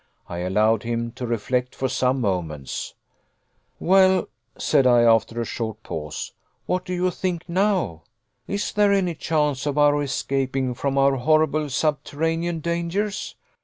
I allowed him to reflect for some moments. "Well," said I, after a short pause, "what do you think now? Is there any chance of our escaping from our horrible subterranean dangers?